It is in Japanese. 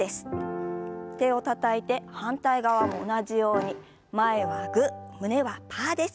手をたたいて反対側も同じように前はグー胸はパーです。